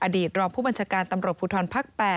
อดีตรองผู้บัญชาการตำรวจภูทรภาค๘